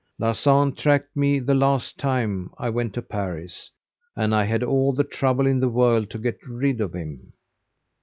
Larsan tracked me the last time I went to Paris, and I had all the trouble in the world to get rid of him.